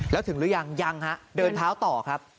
แล้วถึงหรือยังยังฮะเดินเท้าต่อครับ